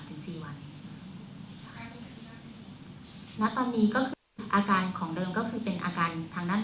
แล้วตอนนี้ก็คืออาการของเดิมก็คือเป็นอาการทางนั้น